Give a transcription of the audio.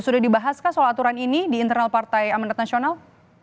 sudah dibahaskah soal aturan ini di internal partai amanat nasional